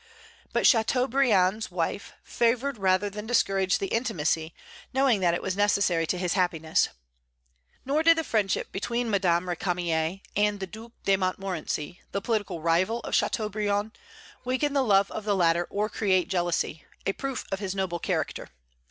But Châteaubriand's wife favored rather than discouraged the intimacy, knowing that it was necessary to his happiness. Nor did the friendship between Madame Récamier and the Due de Montmorency, the political rival of Châteaubriand, weaken the love of the latter or create jealousy, a proof of his noble character.